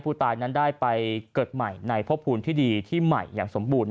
ผู้ตายนั้นได้ไปเกิดใหม่ในพบภูมิที่ดีที่ใหม่อย่างสมบูรณ